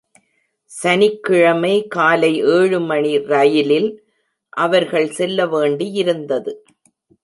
சனிக்கிழமை காலை ஏழு மணி ரயிலில், அவர்கள் செல்ல வேண்டியிருந்தது.